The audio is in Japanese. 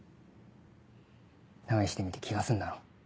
試してみて気が済んだろ。